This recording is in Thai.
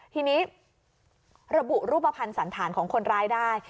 ทีนี้ระบุรูปภัณฑ์สันธารของคนร้ายได้